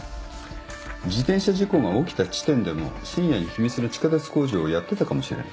自転車事故が起きた地点でも深夜に秘密の地下鉄工事をやってたかもしれない。